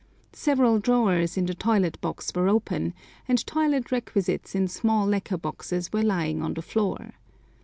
Several drawers in the toilet box were open, and toilet requisites in small lacquer boxes were lying on the floor.